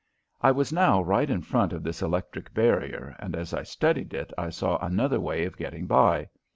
I was now right in front of this electric barrier, and as I studied it I saw another way of getting by.